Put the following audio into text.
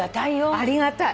ありがたい。